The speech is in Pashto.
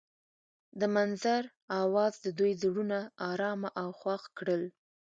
د منظر اواز د دوی زړونه ارامه او خوښ کړل.